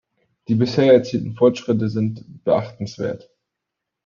Die bisher erzielten Fortschritte sind beachtenswert.